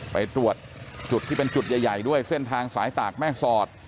ไปตรวจจุดที่เป็นจุดใหญ่ด้วยเส้นทางสายตากแม่สอด